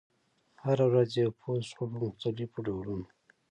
هره ورځ یو پوسټ، خو په مختلفو ډولونو: